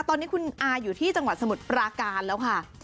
ตอนนี้คุณอาอยู่ที่จังหวัดสมุทรปราการแล้วค่ะ